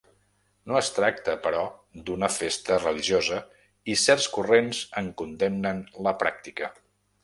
No es tracta, però, d'una festa religiosa i certs corrents en condemnen la pràctica.